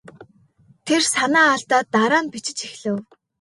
Тэр санаа алдаад дараа нь бичиж эхлэв.